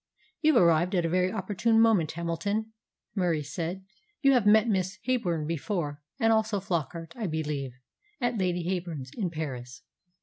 "You've arrived at a very opportune moment, Hamilton," Murie said. "You have met Miss Heyburn before, and also Flockart, I believe, at Lady Heyburn's, in Paris."